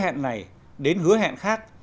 hết hứa hẹn này đến hứa hẹn khác